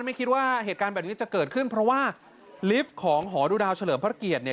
ไม่คิดว่าเหตุการณ์แบบนี้จะเกิดขึ้นเพราะว่าลิฟต์ของหอดูดาวเฉลิมพระเกียรติเนี่ย